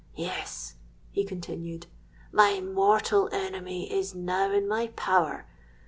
'Yes,' he continued, 'my mortal enemy is now in my power.